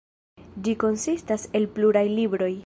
Ĝi konsistas el pluraj libroj.